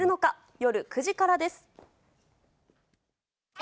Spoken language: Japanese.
夜９時からです。